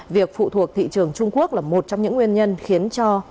việc phụ thuộc thị trường trung quốc là một trong những nguyên nhân khiến cho